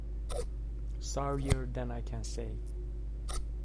Sorrier than I can say.